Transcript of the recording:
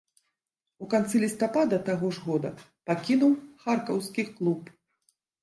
У канцы лістапада таго ж года пакінуў харкаўскі клуб.